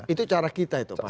itu cara kita itu pak